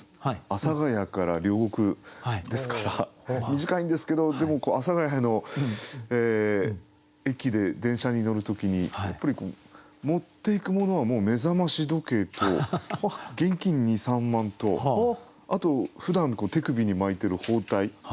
阿佐ケ谷から両国ですから短いんですけどでも阿佐ケ谷の駅で電車に乗る時にやっぱり持っていくものはもう目覚まし時計と現金２３万とあとふだん手首に巻いてる包帯。